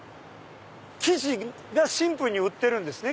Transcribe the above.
生地がシンプルに売ってるんですね